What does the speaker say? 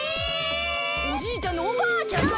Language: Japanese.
おじいちゃんのおばあちゃんが。